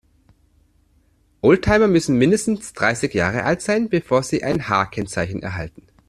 Oldtimer müssen mindestens dreißig Jahre alt sein, bevor sie ein H-Kennzeichen erhalten.